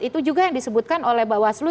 itu juga yang disebutkan oleh bawaslu